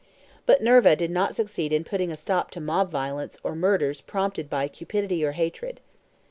But Nerva did not succeed in putting a stop to mob violence or murders prompted by cupidity or hatred.